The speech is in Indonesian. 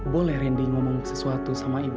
boleh randy ngomong sesuatu sama ibu